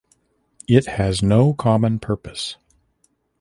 It has no common purpose.